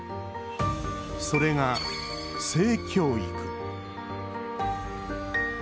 それが、「性教育」。